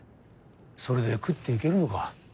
それで食っていけるのか？